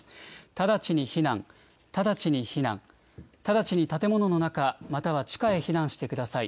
直ちに避難、直ちに避難、直ちに建物の中、または地下へ避難してください。